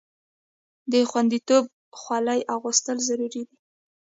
د خوندیتوب خولۍ اغوستل ضروري دي.